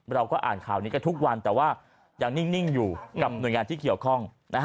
เราก็อ่านข่าวนี้ก็ทุกวันแต่ว่ายังนิ่งอยู่กับหน่วยงานที่เกี่ยวข้อง